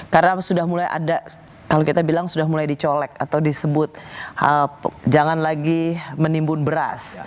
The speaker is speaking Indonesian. karena sudah mulai ada kalau kita bilang sudah mulai dicolek atau disebut jangan lagi menimbun beras